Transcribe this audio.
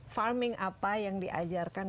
farming apa yang diajarkan